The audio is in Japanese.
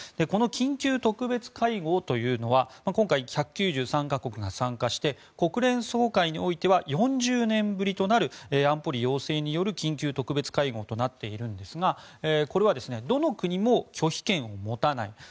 この緊急特別会合というのは今回、１９３か国が参加して国連総会においては４０年ぶりとなる安保理要請による緊急特別会合となっているんですがこれは、どの国も拒否権を持たない。